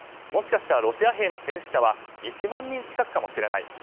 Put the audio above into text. もしかしたらロシア兵の戦死者は１万人近くかもしれない。